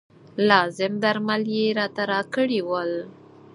لازم درمل یې راته راکړي ول.